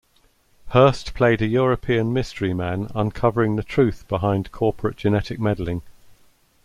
Hurst played a European mystery man uncovering the truth behind corporate genetic meddling.